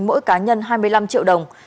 mỗi cá nhân hai mươi năm triệu đồng